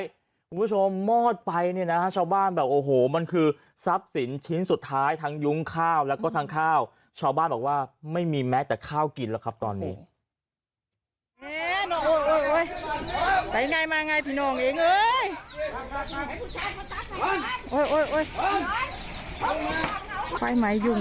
คุณผู้ชมมอดไปเนี่ยนะฮะชาวบ้านแบบโอ้โหมันคือทรัพย์สินชิ้นสุดท้ายทั้งยุ้งข้าวแล้วก็ทั้งข้าวชาวบ้านบอกว่าไม่มีแม้แต่ข้าวกินแล้วครับตอนนี้